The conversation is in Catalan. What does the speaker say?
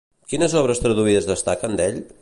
Quines obres traduïdes destaquen d'ell?